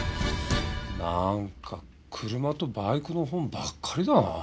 なんか車とバイクの本ばっかりだなあ。